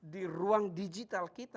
di ruang digital kita